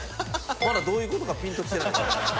まだどういうことかピンときてない。